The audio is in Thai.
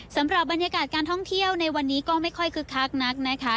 สำหรับบรรยากาศการท่องเที่ยวในวันนี้ก็ไม่ค่อยคึกคักนักนะคะ